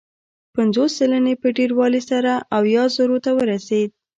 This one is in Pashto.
پنځوس سلنې په ډېروالي سره اویا زرو ته ورسېد.